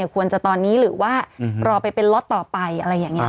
ควรจะตอนนี้หรือว่ารอไปเป็นล็อตต่อไปอะไรอย่างนี้